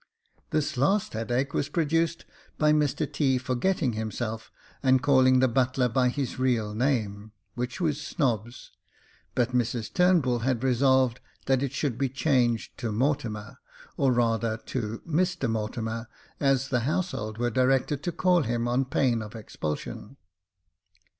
This last headache was produced by Mr T. forgetting himself, and calling the butler by his real name, which was Snobbs J but Mrs Turnbull had resolved that it should be changed to Morthner — or rather, to Mr Mortimer, as the household were directed to call him, on pain of expulsion.